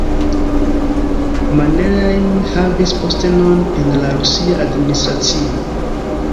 Mannerheim havis postenon en la rusia administracio.